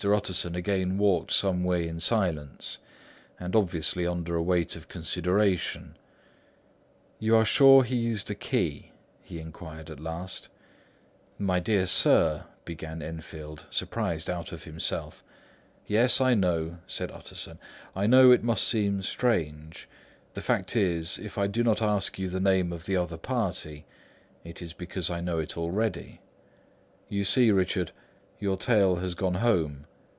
Utterson again walked some way in silence and obviously under a weight of consideration. "You are sure he used a key?" he inquired at last. "My dear sir..." began Enfield, surprised out of himself. "Yes, I know," said Utterson; "I know it must seem strange. The fact is, if I do not ask you the name of the other party, it is because I know it already. You see, Richard, your tale has gone home.